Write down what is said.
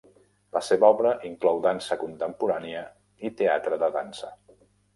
La seva obra inclou dansa contemporània i teatre de dansa.